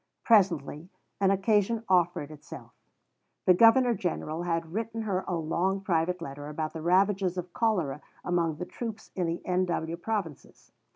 Presently an occasion offered itself. The Governor General had written her a long private letter about the ravages of cholera among the troops in the N.W. Provinces.